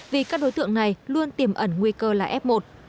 vì các đối tượng này luôn tiềm ẩn nguy cơ là f một